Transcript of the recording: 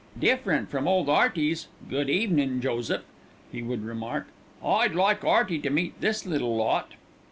"Different from ole 'Earty's 'Good evenin', Joseph,'" he would remark. "I'd like 'Earty to meet this little lot."